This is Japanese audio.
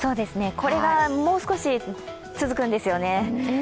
これがもう少し続くんですよね。